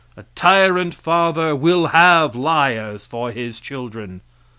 A tyrant father will have liars for his children.